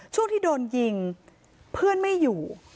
ช่วงที่โดนยิงเพื่อนไม่อยู่